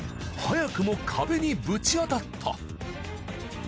早くも壁にぶち当たった。